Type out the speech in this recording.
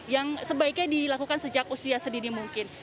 yang sebaiknya dilakukan sejak usia sedini mungkin